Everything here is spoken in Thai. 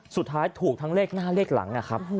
สุดท้ายถูกทั้งเลขหน้าเลขหลัง